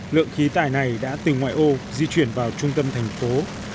lượng khí tài này đã từ ngoại ô di chuyển vào trung tâm thành phố